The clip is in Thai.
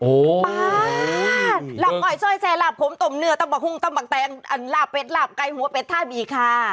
โอ้ปลาฝ์หลับหัวออยสร้อยแสวหลับผมตมเนื้อตำปะฮุ่งตำปะแตงหลาบเป็ดหลาบไก่หัวเป็ดถ้าบีค่ะ